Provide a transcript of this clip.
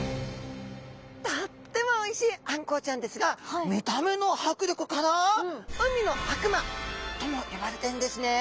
とってもおいしいあんこうちゃんですが見た目のはくりょくから海の悪魔とも呼ばれてるんですね。